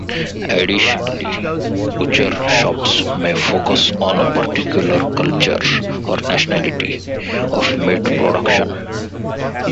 Additionally, butcher shops may focus on a particular culture, or nationality, of meat production.